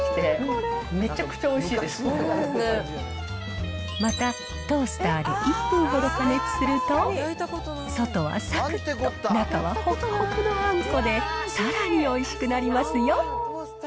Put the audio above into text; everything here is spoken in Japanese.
最後にケシの実が追っかけてきて、めちゃくちゃおいしいですまた、トースターで１分ほど加熱すると、外はさくっと、中はほくほくのあんこで、さらにおいしくなりますよ。